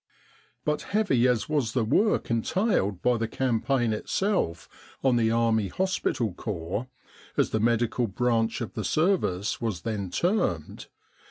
But heavy as was the work entailed by the campaign itself on the Army Hospital Corpus as the medical branch of the Service was then termed With the R.